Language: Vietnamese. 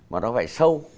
mà nó phải sâu